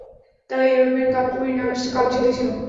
তারা European Cup Winners Cup জিতেছিল।